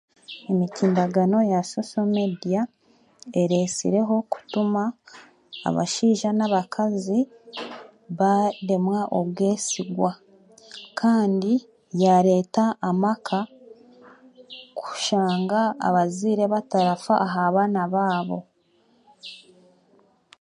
Emitimbagano ya social mediya eresireho kutuma abasheija n'abakaazi baremwa obw'esigwa kandi yareeta amaka kushanga abazeire batarafa aha baana baabo.